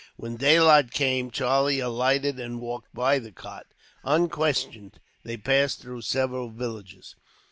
When daylight came, Charlie alighted and walked by the cart. Unquestioned, they passed through several villages.